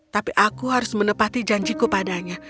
tapi aku harus menepati janjiku padanya